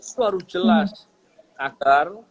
itu harus jelas agar